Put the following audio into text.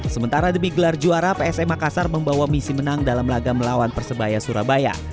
sementara demi gelar juara psm makassar membawa misi menang dalam laga melawan persebaya surabaya